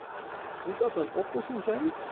Moet dat een oplossing zijn?